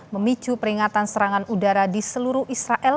memicu peringatan serangan udara di seluruh israel